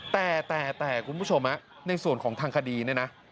แต่แต่แต่กุ้งผู้ชมอ่ะในส่วนของทางคดีนี่น่ะ